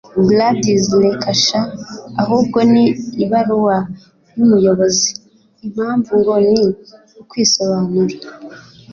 gladys reka sha! ahubwo ni ibaruwa y'umuyobozi! impamvu ngo ni ukwisobanura